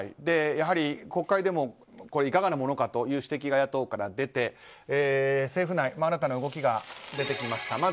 やはり国会でもいかがなものかという指摘が野党から出て、政府内新たな動きが出てきました。